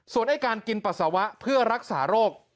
ส่วนไอ้การกินปัสสาวะเพื่อรักษาโรค